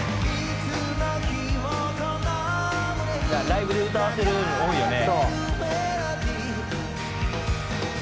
「ライブで歌わせるの多いよね」